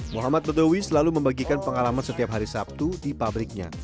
muhammad betowi selalu membagikan pengalaman setiap hari sabtu di pabriknya